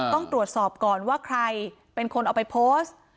ต้องตรวจสอบก่อนว่าใครเป็นคนเอาไปโพสต์